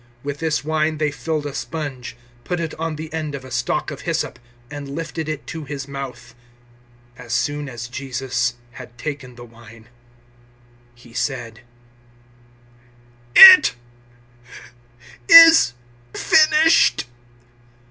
With this wine they filled a sponge, put it on the end of a stalk of hyssop, and lifted it to His mouth. 019:030 As soon as Jesus had taken the wine, He said, "It is finished."